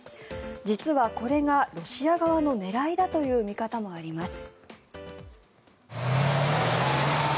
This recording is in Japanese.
実はこれがロシア側の狙いだという見方もあります。